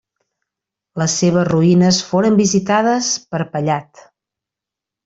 Les seves ruïnes foren visitades per Pallat.